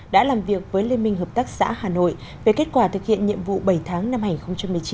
đã làm việc với liên minh hợp tác xã hà nội về kết quả thực hiện nhiệm vụ bảy tháng năm hai nghìn một mươi chín